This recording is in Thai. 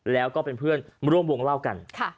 แล้วก็เป็นเพื่อนร่วมวงเล่ากัน